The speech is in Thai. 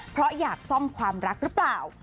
เพราะอยากซ่อมความรักหรือเปล่า